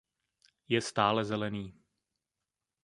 Je stálezelený.